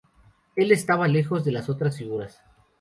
Él estaba lejos de las otras figuras.